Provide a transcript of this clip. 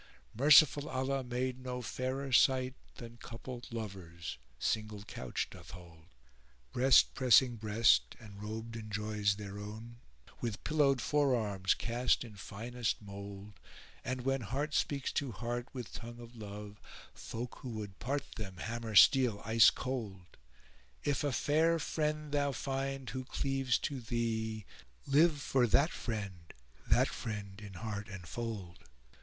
Merciful Allah made no fairer sight * Than coupled lovers single couch doth hold; Breast pressing breast and robed in joys their own, * With pillowed forearms cast in finest mould: And when heart speaks to heart with tongue of love, * Folk who would part them hammer steel ice cold: If a fair friend[FN#428] thou find who cleaves to thee, * Live for that friend, that friend in heart enfold.